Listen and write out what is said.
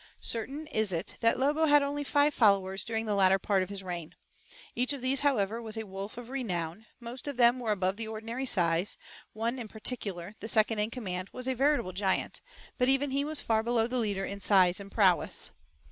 Certain is it that Lobo had only five followers during the latter part of his reign. Each of these, however, was a wolf of renown, most of them were above the ordinary size, one in particular, the second in command, was a veritable giant, but even he was far below the leader in size and prowess.